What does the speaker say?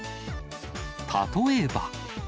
例えば。